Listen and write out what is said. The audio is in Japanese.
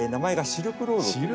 シルクロード！